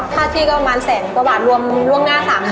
ท่าชี้ก็ประมาณแสนกว่าบาทร่วมหน้า๓ด้วย